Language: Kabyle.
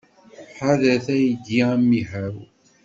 Ḥadret, aydi amihaw!